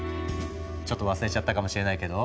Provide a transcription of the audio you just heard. ちょっと忘れちゃったかもしれないけど